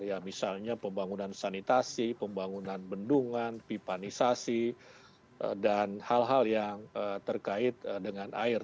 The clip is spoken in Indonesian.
ya misalnya pembangunan sanitasi pembangunan bendungan pipanisasi dan hal hal yang terkait dengan air